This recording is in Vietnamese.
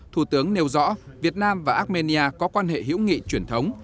thủ tướng nêu rõ việt nam và armenia có quan hệ hữu nghị truyền thống